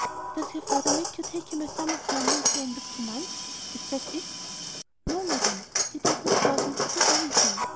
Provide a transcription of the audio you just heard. "Does your father make you take him a sum of money at the end of two months? Is that it?" "No, madam, he does not force me to do anything.